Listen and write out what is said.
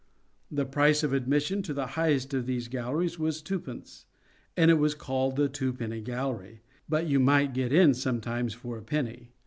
The price of admission to the highest of these galleries was twopence, and it was called the twopenny gallery, but you might get in sometimes for a penny.